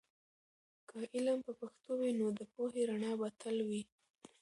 که علم په پښتو وي، نو د پوهې رڼا به تل وي.